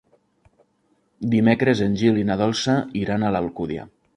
Dimecres en Gil i na Dolça iran a l'Alcúdia.